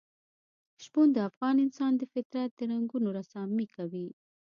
شپون د افغان انسان د فطرت د رنګونو رسامي کوي.